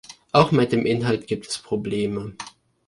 Auch mit dem Inhalt gibt es Probleme.